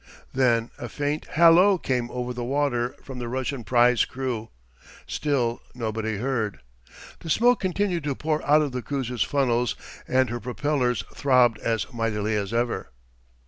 Then a faint hallo came over the water from the Russian prize crew. Still nobody heard. The smoke continued to pour out of the cruiser's funnels, and her propellers throbbed as mightily as ever.